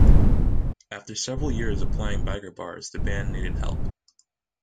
After several years of playing biker bars the band needed help.